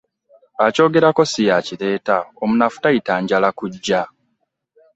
Akyogerako si y'akireeta omunafu tayita njala kuggya .